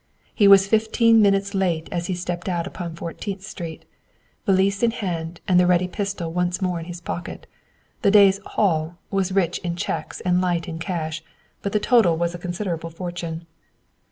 He was fifteen minutes late as he stepped out upon Fourteenth Street, valise in hand and the ready pistol once more in his pocket. The day's "haul" was rich in checks and light in cash, but the total was a considerable fortune.